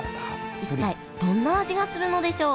一体どんな味がするのでしょう？